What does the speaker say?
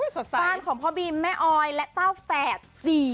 บ้านของพ่อบีมแม่ออยและเต้าแฝดสี่